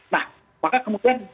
nah maka kemudian